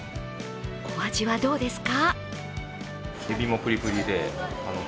お味はどうですか？